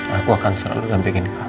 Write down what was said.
aku akan selalu gampikin kamu